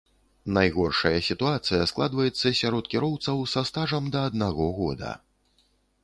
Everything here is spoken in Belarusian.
Найгоршая сітуацыя складваецца сярод кіроўцаў са стажам да аднаго года.